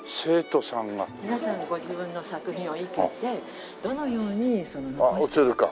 皆さんがご自分の作品を生けてどのように。あっ写るか？